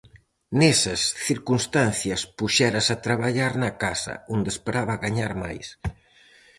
Nesas circunstancias puxérase a traballar na casa, onde esperaba gañar máis.